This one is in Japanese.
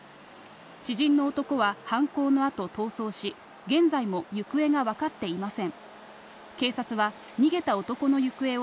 知人の男は犯行のあと逃走し、現在も行方が分かっていません。